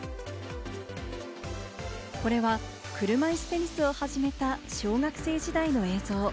これは車いすテニスを始めた小学生時代の映像。